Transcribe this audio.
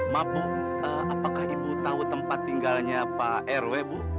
ma'am apakah ibu tahu tempat tinggalnya pak rw